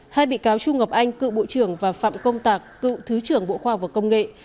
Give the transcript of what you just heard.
hai bị cáo trung ngọc anh cựu bộ trưởng và phạm công tạc cựu thứ trưởng bộ khoa và công nghệ